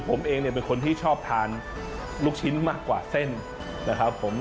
ผมเองเนี่ยเป็นคนที่ชอบทานลูกชิ้นมากกว่าเส้นนะครับผม